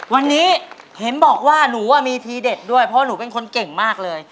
วันนี้เห็นบอกว่าหนูมีทีเด็ดด้วยเพราะหนูเป็นคนเก่งมากเลย